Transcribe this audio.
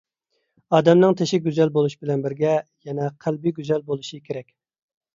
ئادەمنىڭ تېشى گۈزەل بولۇش بىلەن بىرگە يەنە قەلبى گۈزەل بولۇشى كېرەك!